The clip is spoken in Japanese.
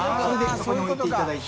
そこに置いていただいて。